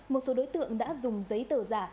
một số đối tượng đã dùng giấy tờ giả